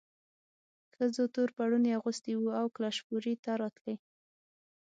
ښځو تور پوړوني اغوستي وو او کلشپورې ته راتلې.